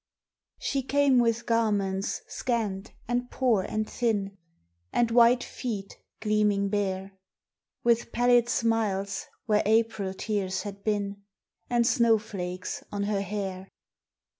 SHE came with garments scant and poor and thin, And white feet gleaming bare; With pallid smiles where April tears had been, And snowflakes on her hair.